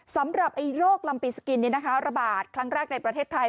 สำหรับโรคลำปีสกินระบาดครั้งแรกในประเทศไทย